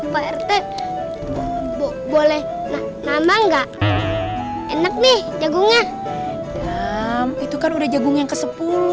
pak rt boleh nambah nggak enak nih jagungnya itu kan udah jagung yang ke sepuluh